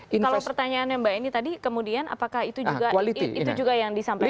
kalau pertanyaannya mbak eni tadi kemudian apakah itu juga yang disampaikan